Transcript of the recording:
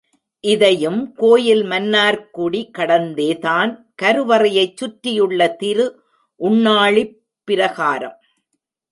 இதையும் கோயில் மன்னார்குடி கடந்தே தான் கரு வறையைச் சுற்றியுள்ள திரு உண்ணாழிப் பிரகாரம்.